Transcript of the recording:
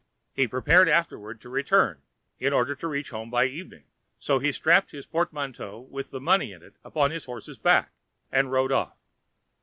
He prepared afterward to return, in order to reach home by the evening, so he strapped his portmanteau, with the money in it, upon his horse's back, and rode off.